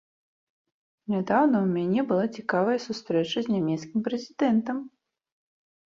Нядаўна ў мяне была цікавая сустрэча з нямецкім прэзідэнтам.